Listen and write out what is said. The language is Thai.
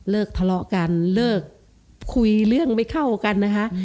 ทะเลาะกันเลิกคุยเรื่องไม่เข้ากันนะคะ